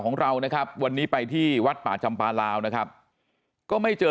ของเรานะครับวันนี้ไปที่วัดป่าจำปลาลาวนะครับก็ไม่เจอ